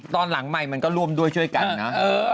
ตอนหลังใหม่มันก็ร่วมด้วยช่วยกันนะ